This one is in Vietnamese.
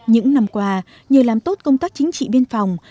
những năm qua nhờ làm tốt công tác chính trị biên phòng